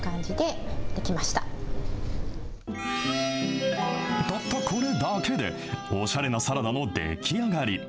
たったこれだけで、おしゃれなサラダの出来上がり。